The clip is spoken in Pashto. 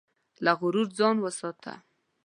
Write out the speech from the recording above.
له غرور ځان وساته.